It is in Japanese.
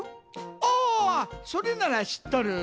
あそれならしっとる。